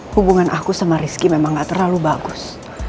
hubungan aku sama rizky memang gak terlalu bagus